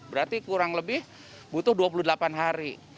berarti kurang lebih butuh dua puluh delapan hari